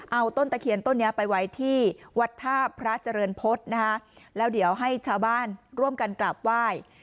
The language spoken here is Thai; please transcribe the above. เอาต้นตะเคียนต้นนี้ไปไว้ที่วัดท่าพระเจริญพฤษนะคะแล้วเดี๋ยวให้ชาวบ้านร่วมกันกราบไหว้